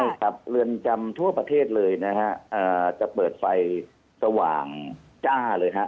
ใช่ครับเรือนจำทั่วประเทศเลยนะฮะจะเปิดไฟสว่างจ้าเลยฮะ